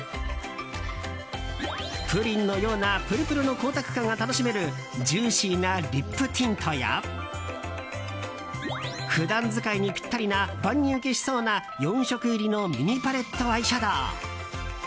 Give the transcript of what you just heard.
プリンのようなプルプルの光沢感が楽しめるジューシーなリップティントや普段使いにピッタリな万人ウケしそうな４色入りのミニパレットアイシャドー。